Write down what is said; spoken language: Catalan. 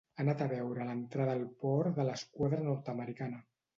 Ha anat a veure l'entrada al port de l'esquadra nord-americana.